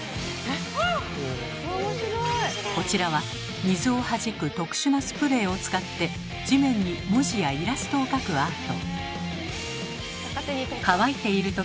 こちらは水をはじく特殊なスプレーを使って地面に文字やイラストを描くアート。